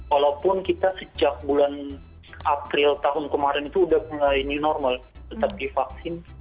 walaupun kita sejak bulan april tahun kemarin itu sudah mulai new normal tetap divaksin